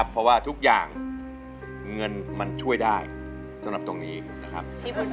เพราะว่าทุกอย่างเงินมันช่วยได้สำหรับตรงนี้นะครับ